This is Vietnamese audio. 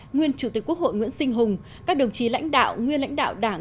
nguyên chủ tịch quốc hội nguyễn sinh hùng các đồng chí lãnh đạo nguyên lãnh đạo đảng